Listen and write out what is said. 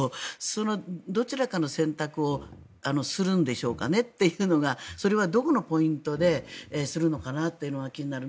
そのどちらかの選択をするんでしょうかねというのがそれはどこのポイントでするのかなというのが気になる。